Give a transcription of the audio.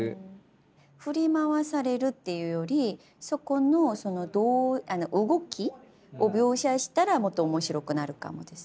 「振り回される」っていうよりそこのその動きを描写したらもっと面白くなるかもです。